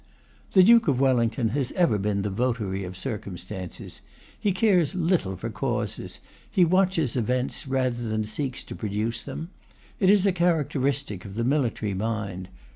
The Duke of Wellington has ever been the votary of circumstances. He cares little for causes. He watches events rather than seeks to produce them. It is a characteristic of the military mind.